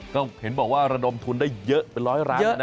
ก็เห็นบอกว่าระดมทุนได้เยอะเป็นร้อยล้านแล้วนะ